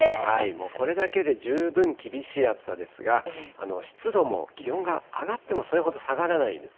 もうこれだけで十分、厳しい暑さですが、湿度も、気温が上がってもそれほど下がらないです。